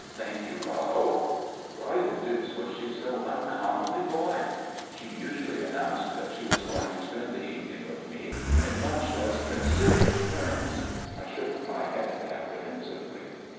"Thank you, Rollo." Why the deuce was she so uncommonly polite? She usually announced that she was going to spend the evening with me in much less considerate terms. I shook my head apprehensively.